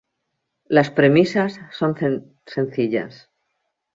Las premisas son sencillas.